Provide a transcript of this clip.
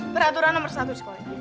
peraturan nomor satu di sekolah ini